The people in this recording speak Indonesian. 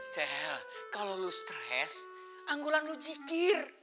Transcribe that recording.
cel kalau lu stres anggulan lu cikir